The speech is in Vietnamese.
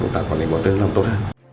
tạo quản lý bảo vệ làm tốt hơn